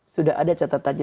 sudah ada catatannya